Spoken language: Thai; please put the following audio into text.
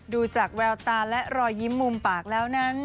ดูจากแววตาและรอยยิ้มมุมปากแล้วนั้น